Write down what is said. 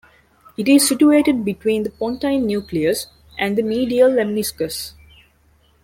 It is situated between the pontine nucleus and the medial lemniscus.